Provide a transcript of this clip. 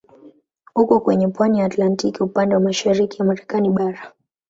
Uko kwenye pwani ya Atlantiki upande wa mashariki ya Marekani bara.